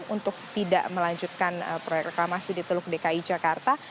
untuk tidak melanjutkan proyek reklamasi di teluk dki jakarta